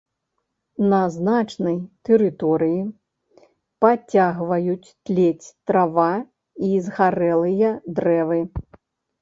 На значнай тэрыторыі пацягваюць тлець трава і згарэлыя дрэвы.